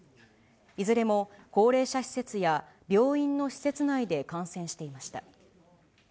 いずれも高齢者施設や病院の施設内で感染していました。